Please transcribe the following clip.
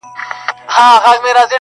چي هر پردی راغلی دی زړه شینی دی وتلی-